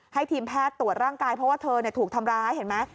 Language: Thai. ให้ทีมแพทย์ตรวจร่างกายเพราะว่าเธอถูกทำร้ายเห็นไหม